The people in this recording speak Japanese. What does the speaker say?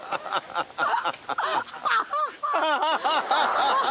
ハハハ。ハハハ。